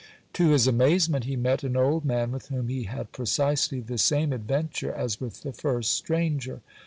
To his amazement he met an old man with whom he had precisely the same adventure as with the first stranger.